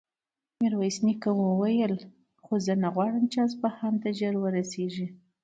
ميرويس نيکه وويل: خو زه نه غواړم چې اصفهان ته ژر ورسېږي.